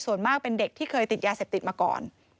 ส่วนมากเป็นเด็กที่เคยติดยาเสพติดมาก่อน